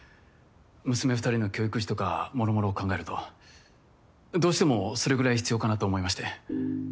娘２人の教育費とかもろもろを考えるとどうしてもそれぐらい必要かなと思いまして。